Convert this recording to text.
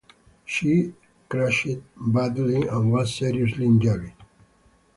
She crashed badly and was seriously injured.